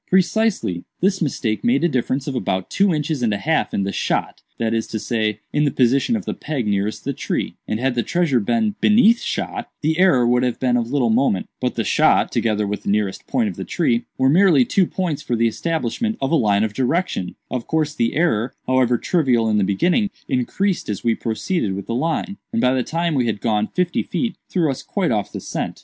"Precisely. This mistake made a difference of about two inches and a half in the 'shot'—that is to say, in the position of the peg nearest the tree; and had the treasure been beneath the 'shot,' the error would have been of little moment; but 'the shot,' together with the nearest point of the tree, were merely two points for the establishment of a line of direction; of course the error, however trivial in the beginning, increased as we proceeded with the line, and by the time we had gone fifty feet, threw us quite off the scent.